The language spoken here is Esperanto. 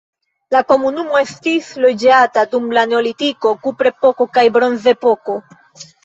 La komunumo estis loĝata dum la neolitiko, kuprepoko kaj bronzepoko.